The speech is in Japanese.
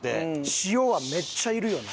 塩はめっちゃいるよな。